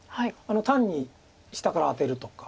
単に下からアテるとか。